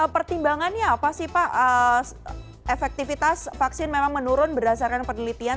pertimbangannya apa sih pak efektivitas vaksin memang menurun berdasarkan penelitian